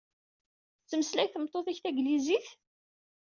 Tettmeslay tmeṭṭut-ik taglizit?